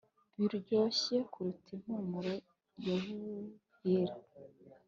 biryoshye kuruta impumuro yabuhira